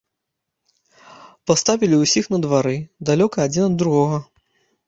Паставілі ўсіх на двары, далёка адзін ад другога.